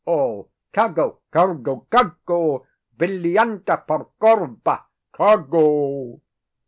_ ALL. _Cargo, cargo, cargo, villianda par corbo, cargo.